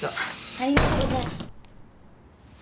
ありがとうござい。